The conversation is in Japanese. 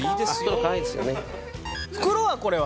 袋はこれは？